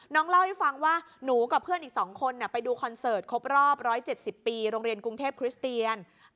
เล่าให้ฟังว่าหนูกับเพื่อนอีก๒คนไปดูคอนเสิร์ตครบรอบ๑๗๐ปีโรงเรียนกรุงเทพคริสเตียน